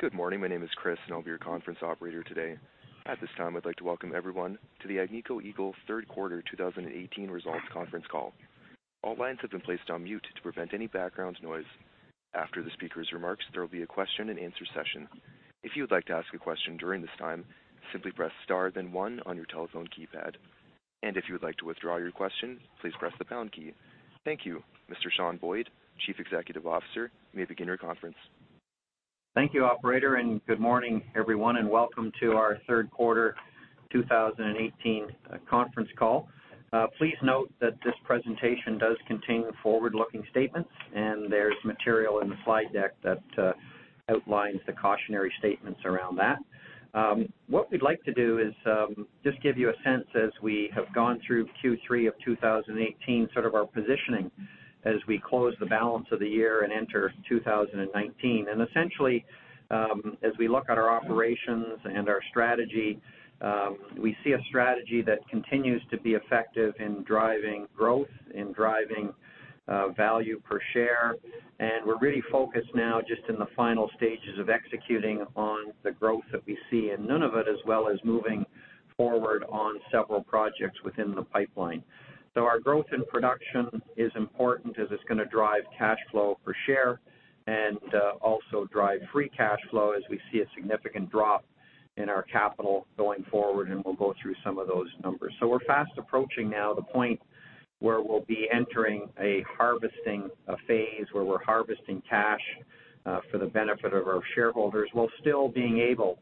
Good morning. My name is Chris, and I'll be your conference operator today. At this time, I'd like to welcome everyone to the Agnico Eagle third 2018 results conference call. All lines have been placed on mute to prevent any background noise. After the speaker's remarks, there will be a question-and-answer session. If you would like to ask a question during this time, simply press star then one on your telephone keypad. If you would like to withdraw your question, please press the pound key. Thank you. Mr. Sean Boyd, Chief Executive Officer, you may begin your conference. Thank you, operator, and good morning everyone, and welcome to our Q3 2018 conference call. Please note that this presentation does contain forward-looking statements, there's material in the slide deck that outlines the cautionary statements around that. What we'd like to do is just give you a sense as we have gone through Q3 2018, sort of our positioning as we close the balance of the year and enter 2019. Essentially, as we look at our operations and our strategy, we see a strategy that continues to be effective in driving growth, in driving value per share. We're really focused now just in the final stages of executing on the growth that we see in Nunavut, as well as moving forward on several projects within the pipeline. Our growth in production is important as it's going to drive cash flow per share and also drive free cash flow as we see a significant drop in our capital going forward, we'll go through some of those numbers. We're fast approaching now the point where we'll be entering a harvesting phase, where we're harvesting cash, for the benefit of our shareholders, while still being able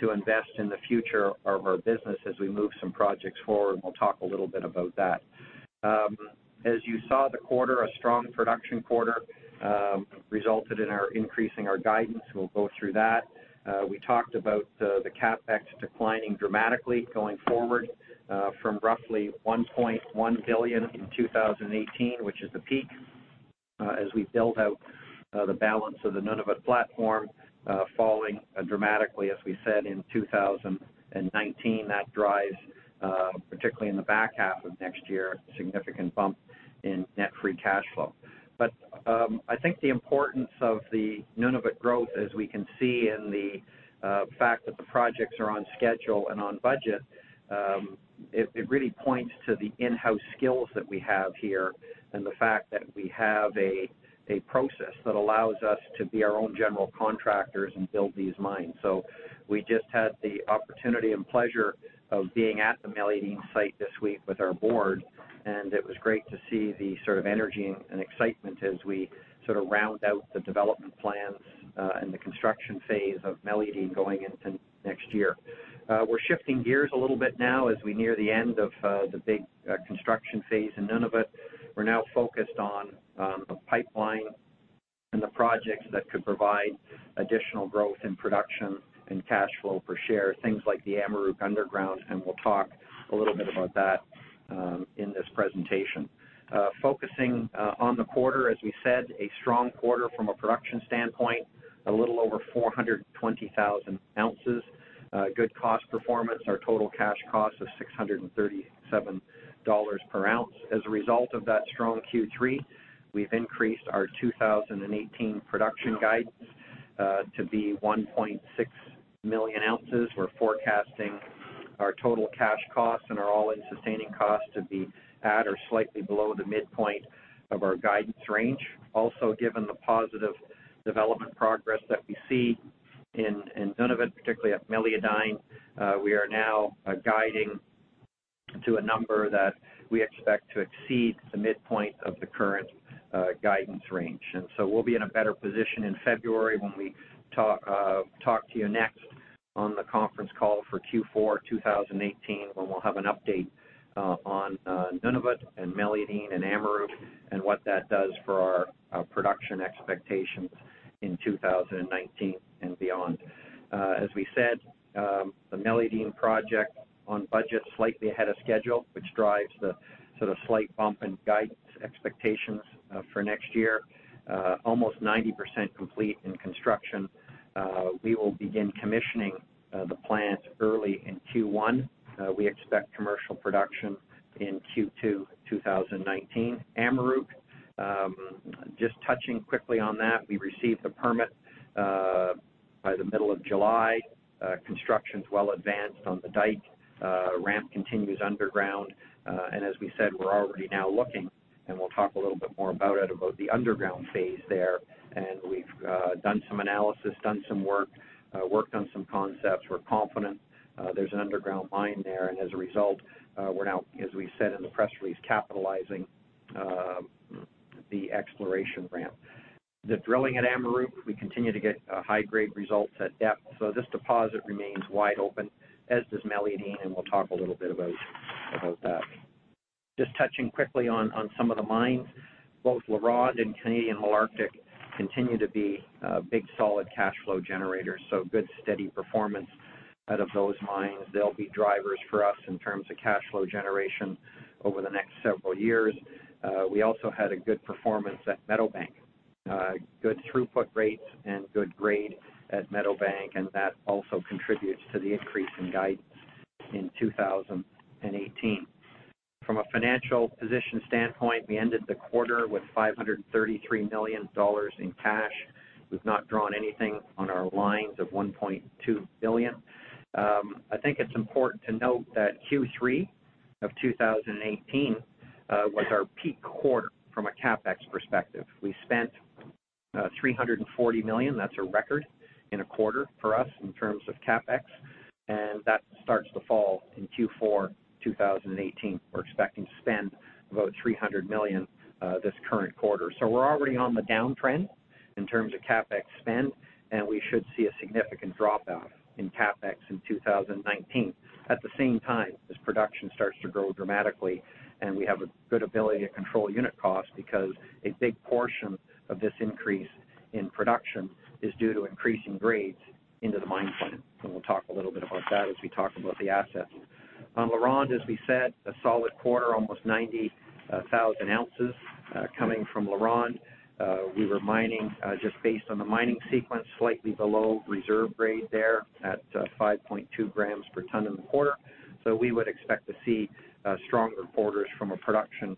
to invest in the future of our business as we move some projects forward, we'll talk a little bit about that. As you saw the quarter, a strong production quarter, resulted in our increasing our guidance. We'll go through that. We talked about the CapEx declining dramatically going forward, from roughly $1.1 billion in 2018, which is the peak, as we build out the balance of the Nunavut platform, falling dramatically as we said, in 2019. That drives, particularly in the back half of next year, a significant bump in net free cash flow. I think the importance of the Nunavut growth as we can see in the fact that the projects are on schedule and on budget, it really points to the in-house skills that we have here and the fact that we have a process that allows us to be our own general contractors and build these mines. We just had the opportunity and pleasure of being at the Meliadine site this week with our board, it was great to see the sort of energy and excitement as we sort of round out the development plans, the construction phase of Meliadine going into next year. We're shifting gears a little bit now as we near the end of the big construction phase in Nunavut. We're now focused on the pipeline and the projects that could provide additional growth in production and cash flow per share, things like the Amaruq underground. We'll talk a little bit about that in this presentation. Focusing on the quarter, as we said, a strong quarter from a production standpoint, a little over 420,000 oz. Good cost performance. Our total cash cost is $637 per ounce. As a result of that strong Q3, we've increased our 2018 production guidance to be 1.6 million ounces. We're forecasting our total cash costs and our all-in sustaining costs to be at or slightly below the midpoint of our guidance range. Given the positive development progress that we see in Nunavut, particularly at Meliadine, we are now guiding to a number that we expect to exceed the midpoint of the current guidance range. We'll be in a better position in February when we talk to you next on the conference call for Q4 2018, when we'll have an update on Nunavut and Meliadine and Amaruq and what that does for our production expectations in 2019 and beyond. As we said, the Meliadine project on budget, slightly ahead of schedule, which drives the sort of slight bump in guidance expectations for next year. Almost 90% complete in construction. We will begin commissioning the plant early in Q1. We expect commercial production in Q2 2019. Amaruq, just touching quickly on that, we received the permit by the middle of July. Construction's well advanced on the dike. Ramp continues underground. As we said, we're already now looking, and we'll talk a little bit more about it, about the underground phase there. We've done some analysis, done some work, worked on some concepts. We're confident there's an underground mine there, and as a result, we're now, as we said in the press release, capitalizing the exploration ramp. The drilling at Amaruq, we continue to get high-grade results at depth, so this deposit remains wide open, as does Meliadine. We'll talk a little bit about that. Just touching quickly on some of the mines, both LaRonde and Canadian Malartic continue to be big, solid cash flow generators, so good, steady performance out of those mines. They'll be drivers for us in terms of cash flow generation over the next several years. We also had a good performance at Meadowbank. Good throughput rates and good grade at Meadowbank. That also contributes to the increase in guidance in 2018. From a financial position standpoint, we ended the quarter with $533 million in cash. We've not drawn anything on our lines of $1.2 billion. I think it's important to note that Q3 of 2018 was our peak quarter from a CapEx perspective. We spent $340 million. That's a record in a quarter for us in terms of CapEx, and that starts to fall in Q4 2018. We're expecting to spend about $300 million this current quarter. We're already on the downtrend in terms of CapEx spend, and we should see a significant drop-off in CapEx in 2019. At the same time, as production starts to grow dramatically and we have a good ability to control unit costs because a big portion of this increase in production is due to increasing grades into the mine plan. We'll talk a little bit about that as we talk about the assets. On LaRonde, as we said, a solid quarter, almost 90,000 oz coming from LaRonde. We were mining, just based on the mining sequence, slightly below reserve grade there at 5.2 g per ton in the quarter. We would expect to see stronger quarters from a production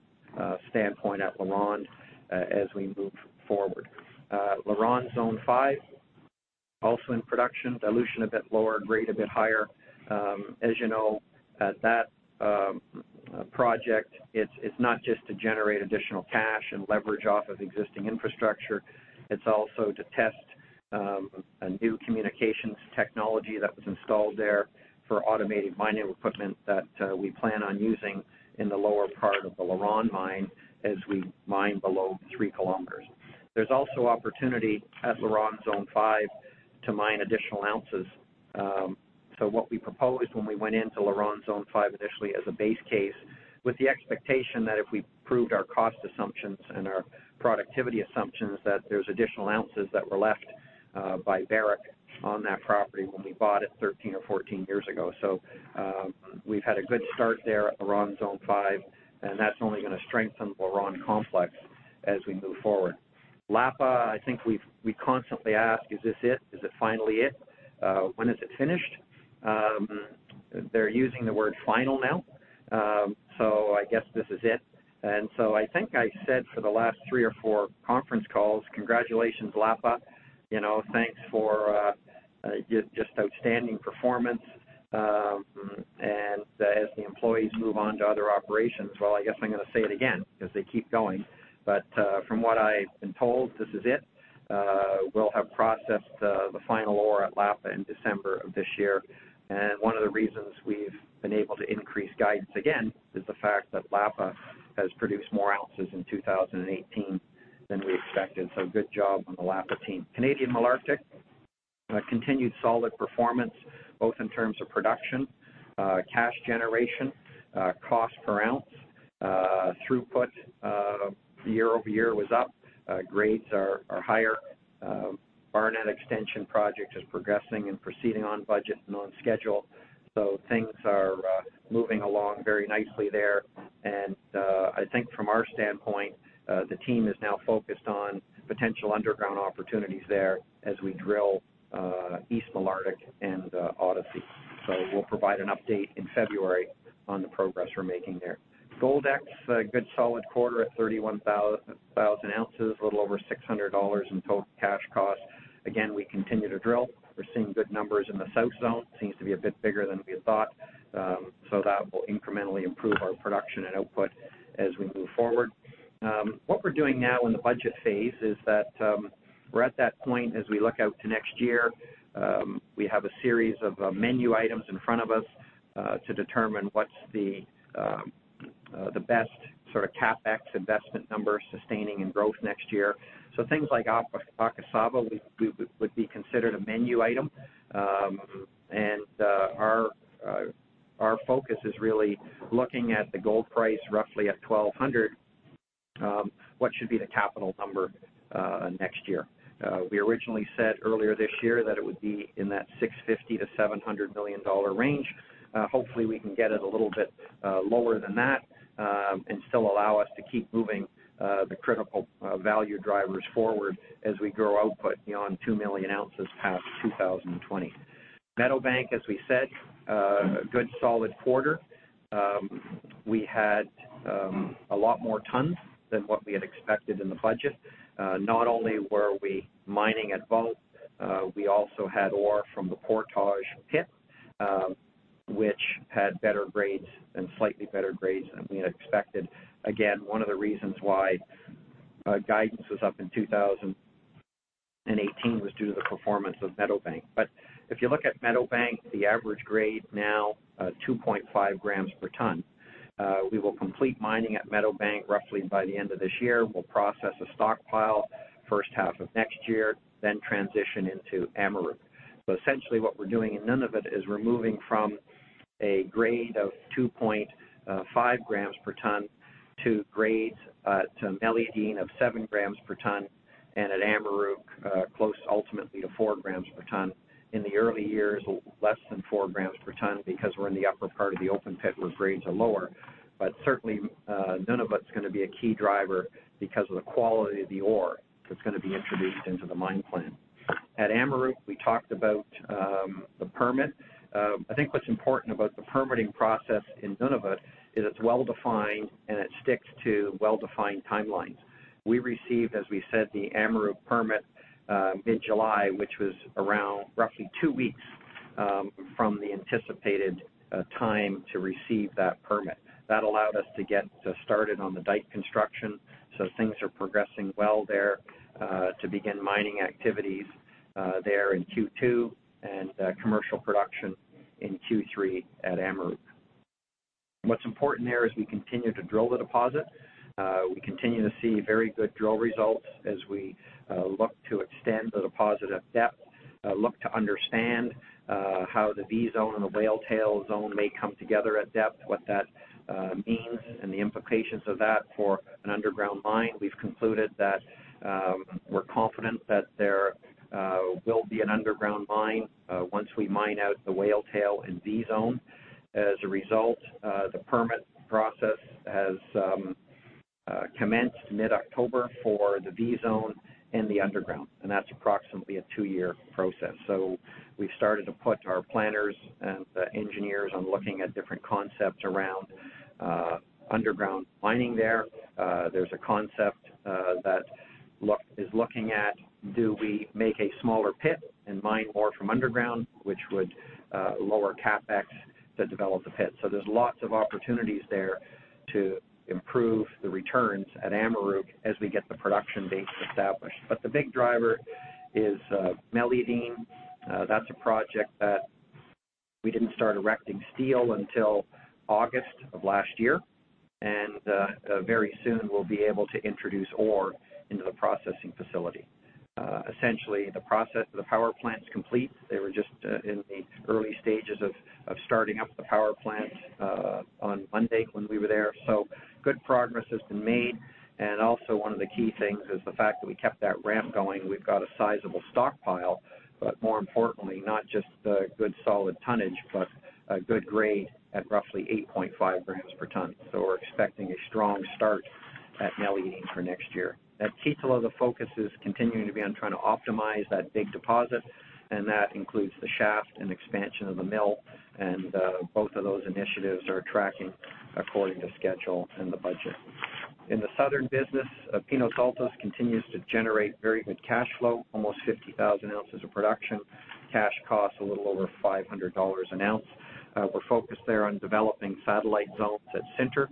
standpoint at LaRonde as we move forward. LaRonde Zone 5, also in production, dilution a bit lower, grade a bit higher. As you know, that project, it's not just to generate additional cash and leverage off of existing infrastructure, it's also to test a new communications technology that was installed there for automated mining equipment that we plan on using in the lower part of the LaRonde mine as we mine below 3 km. There's also opportunity at LaRonde Zone 5 to mine additional ounces. What we proposed when we went into LaRonde Zone 5 initially as a base case, with the expectation that if we proved our cost assumptions and our productivity assumptions, that there's additional ounces that were left by Barrick on that property when we bought it 13 or 14 years ago. We've had a good start there at LaRonde Zone 5, and that's only going to strengthen LaRonde complex as we move forward. Lapa, I think we constantly ask, "Is this it? Is it finally it? When is it finished?" They're using the word final now, so I guess this is it. I think I said for the last three or four conference calls, congratulations, Lapa. Thanks for just outstanding performance, and as the employees move on to other operations, well, I guess I'm going to say it again because they keep going. From what I've been told, this is it. We'll have processed the final ore at Lapa in December of this year. One of the reasons we've been able to increase guidance again is the fact that Lapa has produced more ounces in 2018 than we expected. Good job on the Lapa team. Canadian Malartic, a continued solid performance, both in terms of production, cash generation, cost per ounce. Throughput year-over-year was up. Grades are higher. Barnat extension project is progressing and proceeding on budget and on schedule. Things are moving along very nicely there. I think from our standpoint, the team is now focused on potential underground opportunities there as we drill East Malartic and Odyssey. We'll provide an update in February on the progress we're making there. Goldex, a good solid quarter at 31,000 oz, a little over $600 in total cash cost. Again, we continue to drill. We're seeing good numbers in the South Zone. Seems to be a bit bigger than we had thought. That will incrementally improve our production and output as we move forward. What we're doing now in the budget phase is that we're at that point as we look out to next year. We have a series of menu items in front of us to determine what's the best sort of CapEx investment number sustaining in growth next year. Things like Akasaba would be considered a menu item. Our focus is really looking at the gold price roughly at $1,200, what should be the capital number next year. We originally said earlier this year that it would be in that $650 million-$700 million range. Hopefully, we can get it a little bit lower than that, and still allow us to keep moving the critical value drivers forward as we grow output beyond 2 million ounces past 2020. Meadowbank, as we said, a good solid quarter. We had a lot more tons than what we had expected in the budget. Not only were we mining at Vault, we also had ore from the Portage pit, which had better grades and slightly better grades than we had expected. Again, one of the reasons why guidance was up in 2018 was due to the performance of Meadowbank. But if you look at Meadowbank, the average grade now, 2.5 g per ton. We will complete mining at Meadowbank roughly by the end of this year. We'll process a stockpile first half of next year, then transition into Amaruq. Essentially what we're doing in Nunavut is we're moving from a grade of 2.5 g per ton to grades to Meliadine of 7 g per ton, and at Amaruq, close ultimately to 4 g per ton. In the early years, less than 4 g per ton because we're in the upper part of the open pit where grades are lower. But certainly Nunavut is going to be a key driver because of the quality of the ore that's going to be introduced into the mine plan. At Amaruq, we talked about the permit. I think what's important about the permitting process in Nunavut is it's well-defined, and it sticks to well-defined timelines. We received, as we said, the Amaruq permit mid-July, which was around roughly two weeks from the anticipated time to receive that permit. That allowed us to get started on the dike construction, so things are progressing well there to begin mining activities there in Q2 and commercial production in Q3 at Amaruq. What's important there is we continue to drill the deposit. We continue to see very good drill results as we look to extend the deposit at depth, look to understand how the V Zone and the Whale Tail zone may come together at depth, what that means, and the implications of that for an underground mine. We've concluded that we're confident that there will be an underground mine once we mine out the Whale Tail and V Zone. As a result, the permit process has commenced mid-October for the V Zone and the underground, and that's approximately a two-year process. We've started to put our planners and the engineers on looking at different concepts around underground mining there. There's a concept that is looking at, do we make a smaller pit and mine more from underground, which would lower CapEx to develop the pit? There's lots of opportunities there to improve the returns at Amaruq as we get the production base established. The big driver is Meliadine. That's a project that we didn't start erecting steel until August of last year, and very soon we'll be able to introduce ore into the processing facility. Essentially, the process of the power plant's complete. They were just in the early stages of starting up the power plant on Monday when we were there, good progress has been made. Also one of the key things is the fact that we kept that ramp going. We've got a sizable stockpile, but more importantly, not just a good solid tonnage, but a good grade at roughly 8.5 g per ton. We're expecting a strong start at Meliadine for next year. At Kittilä, the focus is continuing to be on trying to optimize that big deposit, and that includes the shaft and expansion of the mill, both of those initiatives are tracking according to schedule and the budget. In the southern business, Pinos Altos continues to generate very good cash flow, almost 50,000 oz of production, cash cost a little over $500 an ounce. We're focused there on developing satellite zones at Sinter.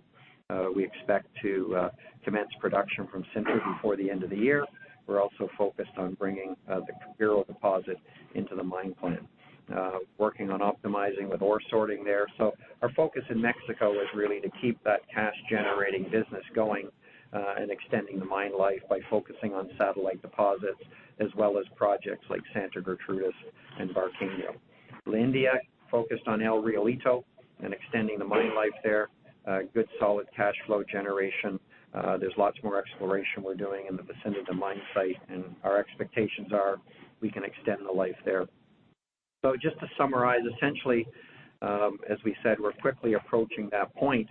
We expect to commence production from Sinter before the end of the year. We're also focused on bringing the Cubiro deposit into the mine plan, working on optimizing the ore sorting there. Our focus in Mexico is really to keep that cash-generating business going and extending the mine life by focusing on satellite deposits as well as projects like Santa Gertrudis and Barqueño. La India, focused on El Realito and extending the mine life there. Good solid cash flow generation. There's lots more exploration we're doing in the vicinity of the mine site, our expectations are we can extend the life there. Just to summarize, essentially, as we said, we're quickly approaching that point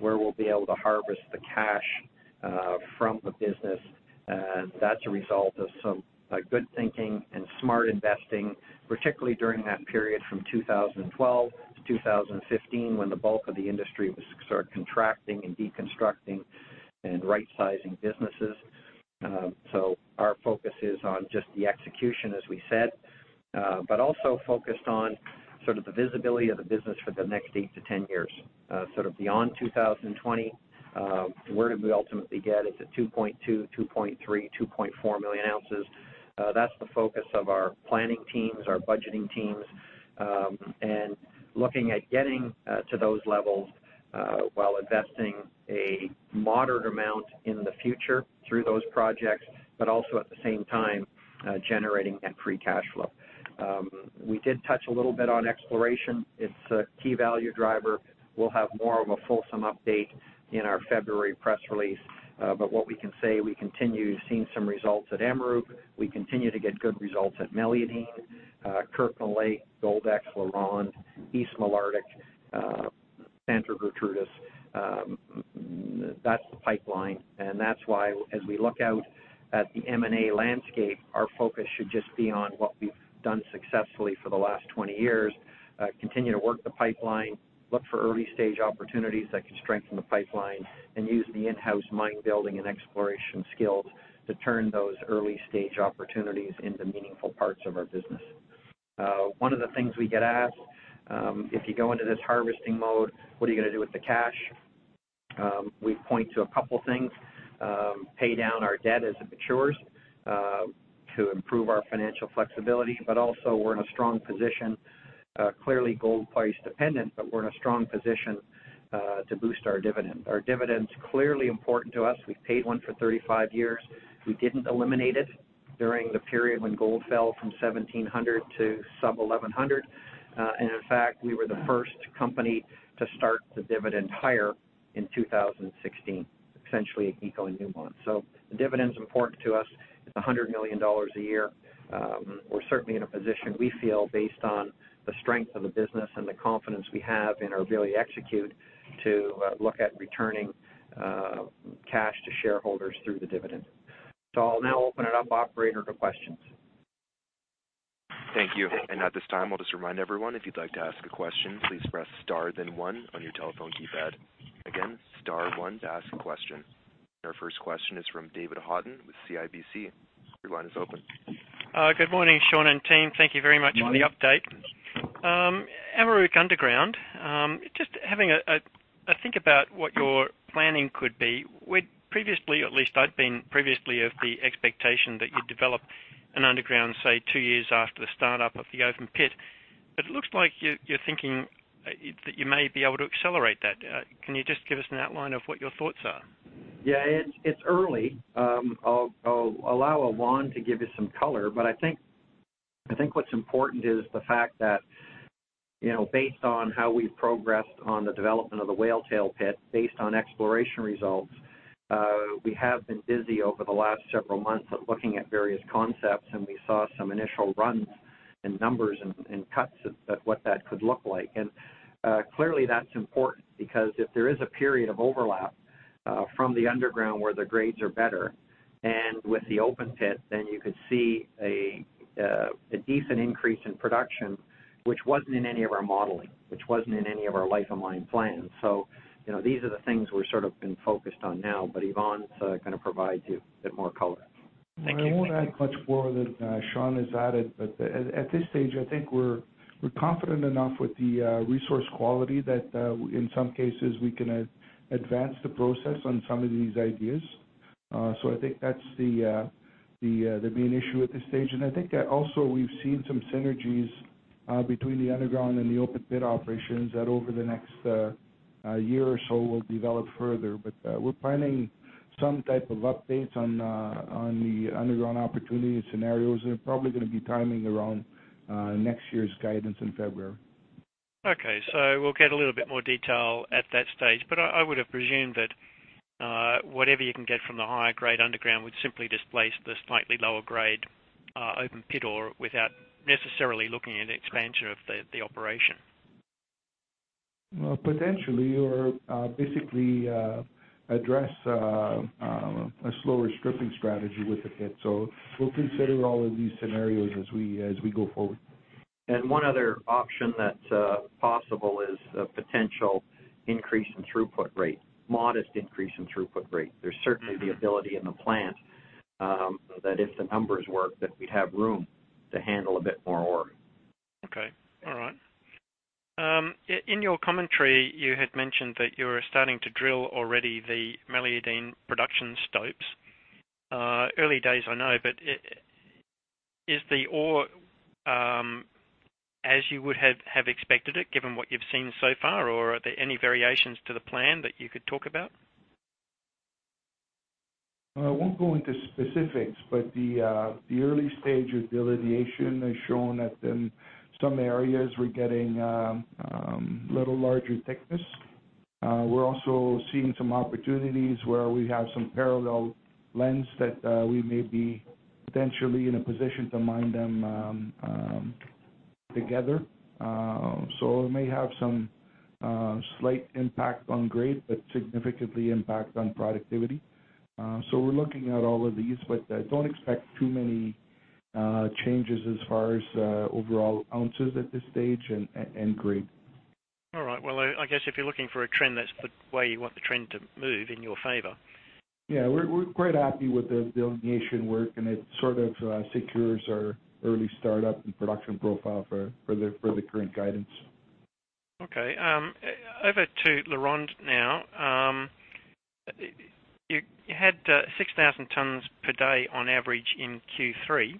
where we'll be able to harvest the cash from the business, and that's a result of some good thinking and smart investing, particularly during that period from 2012 to 2015 when the bulk of the industry was sort of contracting and deconstructing and rightsizing businesses. Our focus is on just the execution, as we said, but also focused on sort of the visibility of the business for the next 8-10 years. Sort of beyond 2020, where do we ultimately get? Is it 2.2.3, 2.4 million ounces? That's the focus of our planning teams, our budgeting teams, looking at getting to those levels while investing a moderate amount in the future through those projects, but also at the same time generating that free cash flow. We did touch a little bit on exploration. It's a key value driver. We'll have more of a fulsome update in our February press release. What we can say, we continue seeing some results at Amaruq. We continue to get good results at Meliadine, Kirkland Lake, Goldex, LaRonde, East Malartic, Santa Gertrudis. That's the pipeline. That's why as we look out at the M&A landscape, our focus should just be on what we've done successfully for the last 20 years, continue to work the pipeline, look for early-stage opportunities that can strengthen the pipeline, and use the in-house mine building and exploration skills to turn those early-stage opportunities into meaningful parts of our business. One of the things we get asked, if you go into this harvesting mode, what are you going to do with the cash? We point to a couple things. Pay down our debt as it matures to improve our financial flexibility. Also, we're in a strong position, clearly gold price dependent, but we're in a strong position to boost our dividend. Our dividend's clearly important to us. We've paid one for 35 years. We didn't eliminate it during the period when gold fell from 1,700 to sub-1,100. In fact, we were the first company to start the dividend higher in 2016, essentially Agnico Eagle and Newmont. The dividend's important to us. It's $100 million a year. We're certainly in a position, we feel, based on the strength of the business and the confidence we have in our ability to execute, to look at returning cash to shareholders through the dividend. I'll now open it up, operator, to questions. Thank you. At this time, I'll just remind everyone, if you'd like to ask a question, please press star then one on your telephone keypad. Again, star one to ask a question. Our first question is from David Haughton with CIBC. Your line is open. Good morning, Sean and team. Thank you very much for the update. Good morning. Amaruq underground, just having a think about what your planning could be. We previously, at least I had been previously of the expectation that you would develop an underground, say, two years after the start-up of the open pit. It looks like you are thinking that you may be able to accelerate that. Can you just give us an outline of what your thoughts are? Yeah, it is early. I will allow Yvon to give you some color, but I think what is important is the fact that based on how we have progressed on the development of the Whale Tail pit, based on exploration results, we have been busy over the last several months of looking at various concepts. We saw some initial runs and numbers and cuts at what that could look like. Clearly that is important because if there is a period of overlap from the underground where the grades are better and with the open pit, then you could see a decent increase in production, which was not in any of our modeling, which was not in any of our life of mine plans. These are the things we have sort of been focused on now, Yvon is going to provide you a bit more color. Thank you. Please go ahead. I won't add much more than Sean has added, at this stage, I think we're confident enough with the resource quality that in some cases, we can advance the process on some of these ideas. I think that's the main issue at this stage. I think also we've seen some synergies between the underground and the open pit operations that over the next year or so will develop further. We're planning some type of updates on the underground opportunity scenarios. They're probably going to be timing around next year's guidance in February. Okay. We'll get a little bit more detail at that stage. I would've presumed that whatever you can get from the higher grade underground would simply displace the slightly lower grade open pit ore without necessarily looking at expansion of the operation. Well, potentially, or basically address a slower stripping strategy with the pit. We'll consider all of these scenarios as we go forward. One other option that is possible is a potential increase in throughput rate, modest increase in throughput rate. There's certainly the ability in the plant that if the numbers work, that we'd have room to handle a bit more ore. Okay. All right. In your commentary, you had mentioned that you were starting to drill already the Meliadine production stopes. Early days, I know, but is the ore as you would have expected it, given what you've seen so far, or are there any variations to the plan that you could talk about? I won't go into specifics, but the early stage of delineation has shown that in some areas we're getting little larger thickness. We're also seeing some opportunities where we have some parallel lenses that we may be potentially in a position to mine them together. It may have some slight impact on grade, but significantly impact on productivity. We're looking at all of these, but don't expect too many changes as far as overall ounces at this stage and grade. All right. Well, I guess if you're looking for a trend, that's the way you want the trend to move in your favor. Yeah. We're quite happy with the delineation work, and it sort of secures our early start-up and production profile for the current guidance. Okay. Over to LaRonde now. You had 6,000 tons per day on average in Q3.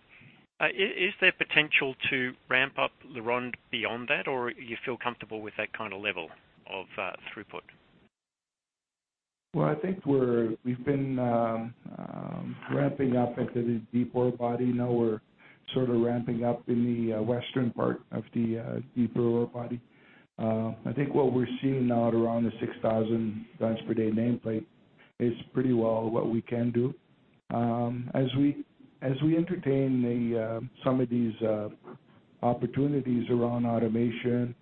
Is there potential to ramp up LaRonde beyond that, or you feel comfortable with that kind of level of throughput? Well, I think we've been ramping up into the deep ore body. Now we're sort of ramping up in the western part of the deeper ore body. I think what we're seeing now at around the 6,000 tons per day nameplate is pretty well what we can do. As we entertain some of these opportunities around automation,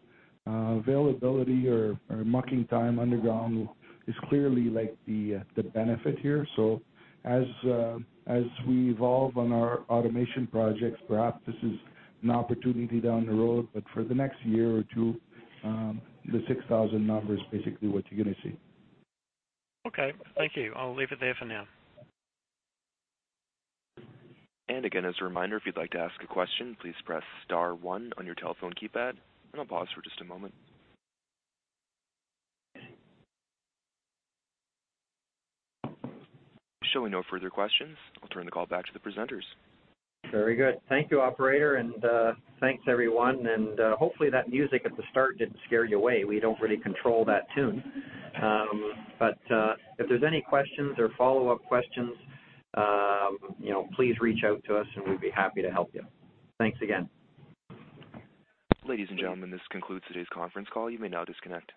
availability or mucking time underground is clearly the benefit here. As we evolve on our automation projects, perhaps this is an opportunity down the road. For the next year or two, the 6,000 number is basically what you're going to see. Okay. Thank you. I'll leave it there for now. Again, as a reminder, if you'd like to ask a question, please press star one on your telephone keypad. I'll pause for just a moment. Showing no further questions, I'll turn the call back to the presenters. Very good. Thank you, operator, and thanks, everyone. Hopefully that music at the start didn't scare you away. We don't really control that tune. If there's any questions or follow-up questions, please reach out to us and we'd be happy to help you. Thanks again. Ladies and gentlemen, this concludes today's conference call. You may now disconnect.